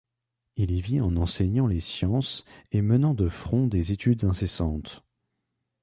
Il y vit en enseignant les sciences et menant de front des études incessantes.